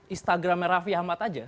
instagramnya raffi ahmad aja